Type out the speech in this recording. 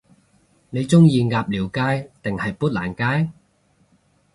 你鍾意鴨寮街定係砵蘭街？